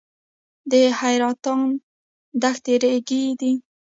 د حیرتان دښتې ریګي دي